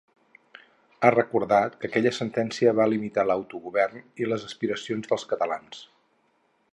Ha recordat que aquella sentència va limitar l’autogovern i les aspiracions dels catalans.